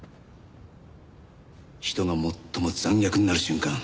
人が最も残虐になる瞬間。